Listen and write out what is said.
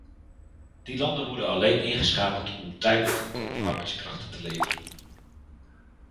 Die landen worden alleen ingeschakeld om tijdelijk goedkope arbeidskrachten te leveren.